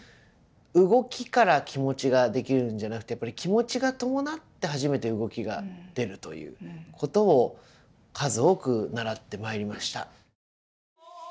動きから気持ちが出来るんじゃなくてやっぱり気持ちが伴って初めて動きが出るということを数多く習ってまいりました。